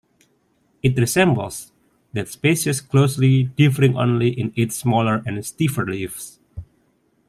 It resembles that species closely, differing only in its smaller and stiffer leaves.